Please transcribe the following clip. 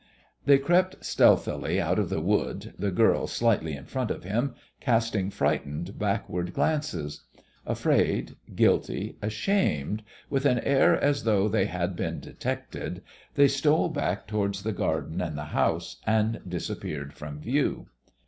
They crept stealthily out of the wood, the girl slightly in front of him, casting frightened backward glances. Afraid, guilty, ashamed, with an air as though they had been detected, they stole back towards the garden and the house, and disappeared from view.